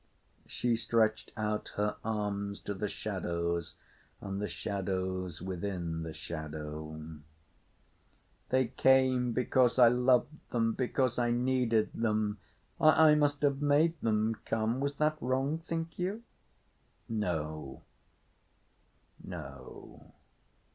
She stretched out her arms to the shadows and the shadows within the shadow. "They came because I loved them—because I needed them. I—I must have made them come. Was that wrong, think you?" "No—no."